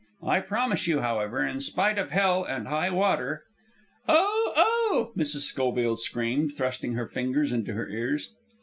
I promise you, however, in spite of hell and high water " "Oh! Oh!" Mrs. Schoville screamed, thrusting her fingers into her ears.